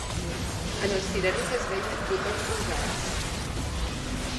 En els cirerers es veien botons rosats